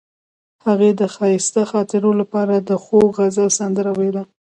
هغې د ښایسته خاطرو لپاره د خوږ غزل سندره ویله.